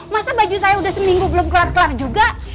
masa baju saya udah seminggu belum kelar kelar juga